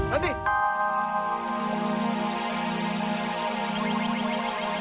tahan kamu terluka nanti